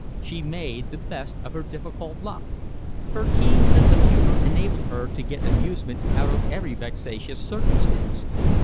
She made the best of her difficult lot. Her keen sense of humour enabled her to get amusement out of every vexatious circumstance.